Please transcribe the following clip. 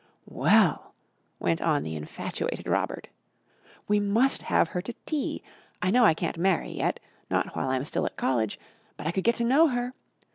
"Well," went on the infatuated Robert, "we must have her to tea. I know I can't marry yet not while I'm still at college but I could get to know her.